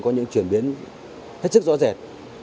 có những chuyển biến hết sức rõ rệt